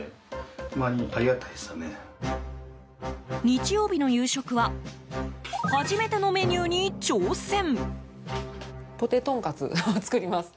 日曜日の夕食は初めてのメニューに挑戦。